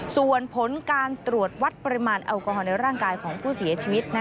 ส่วนผลการตรวจวัดปริมาณแอลกอฮอลในร่างกายของผู้เสียชีวิต